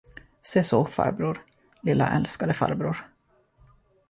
Se så, farbror, lilla älskade farbror!